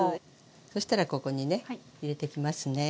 そしたらここにね入れていきますね。